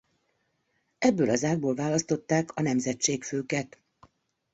Ebből az ágból választották a nemzetségfőket.